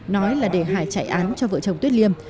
nói là để hải chạy án cho vợ chồng tuyết liêm